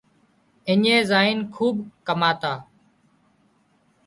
اڃين زائينَ کوٻ ڪماڻا